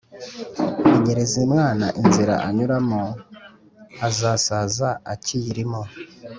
Menyereza umwana inzira anyuramo azasaza aki yirimo